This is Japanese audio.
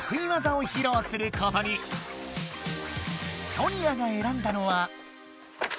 ソニアがえらんだのは。